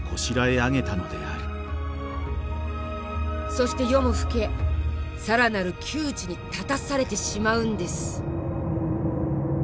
そして夜も更け更なる窮地に立たされてしまうんです。